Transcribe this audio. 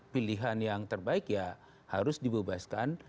pilihan yang terbaik ya harus dibebaskan